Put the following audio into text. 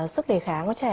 sức đề kháng cho trẻ